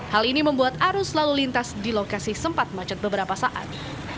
hal ini membuat arus lalu lintas di lokasi sempat macet beberapa saat